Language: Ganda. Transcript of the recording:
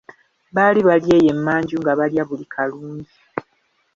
Baali bali eyo emanju nga balya buli kalungi.